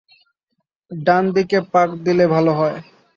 ডান দিকে পাক দিলে ভালো হয়।